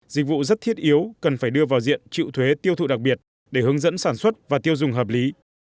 dịch vụ rất thiết yếu cần phải đưa vào diện chịu thuế tiêu thụ đặc biệt để hướng dẫn sản xuất và tiêu dùng hợp lý